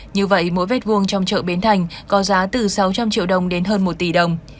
như vậy mỗi mét vuông trong chợ bến thành có giá từ sáu trăm linh triệu đồng đến hơn một tỷ đồng